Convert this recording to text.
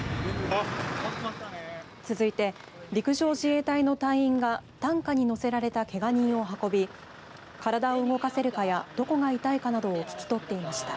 続いて、陸上自衛隊の隊員が担架に乗せられた、けが人を運び体を動かせるかやどこが痛いかなどを聞き取っていました。